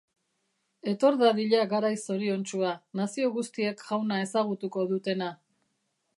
Etor dadila garai zoriontsua, nazio guztiek Jauna ezagutuko dutena.